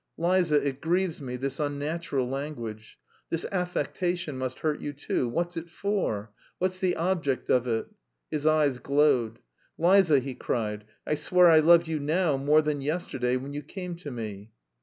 "Liza, it grieves me, this unnatural language. This affectation must hurt you, too. What's it for? What's the object of it?" His eyes glowed. "Liza," he cried, "I swear I love you now more than yesterday when you came to me!"